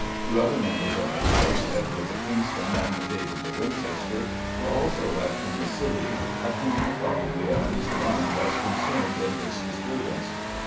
Two other members of the House, Edward de Kingston and David de Winchester, were also left in the city, of whom probably at least one was concerned in this disturbance.